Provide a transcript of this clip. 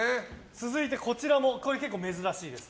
続いて、こちら結構珍しいです。